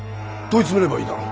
問い詰めればいいだろ。